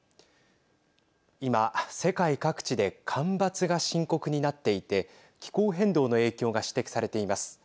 今、世界各地で干ばつが深刻になっていて気候変動の影響が指摘されています。